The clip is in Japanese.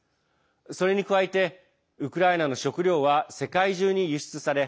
それに加えてウクライナの食料は世界中に輸出され